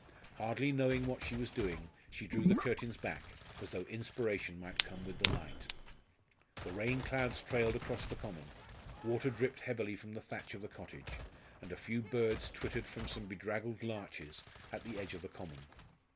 Hardly knowing what she was doing, she drew the curtains back, as though inspiration might come with the light. The rain clouds trailed across the common; water dripped heavily from the thatch of the cottage; and a few birds twittered from some bedraggled larches at the edge of the common.